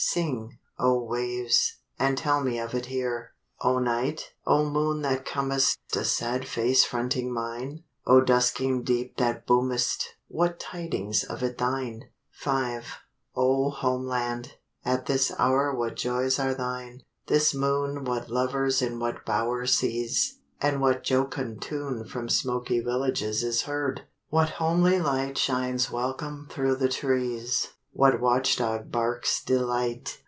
Sing, O Waves, And tell me of it here. O Night? O Moon that comest, A sad face fronting mine? O dusking Deep that boomest, What tidings of it thine? V O Homeland, at this hour What joys are thine? This moon What lovers in what bower Sees? and what jocund tune From smoky villages Is heard? What homely light Shines welcome through the trees? What watch dog barks delight?